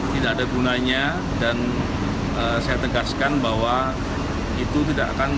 tidak ada gunanya dan saya tegaskan bahwa itu tidak akan